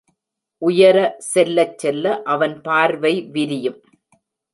உயர செல்லச் செல்ல அவன் பார்வை விரியும்.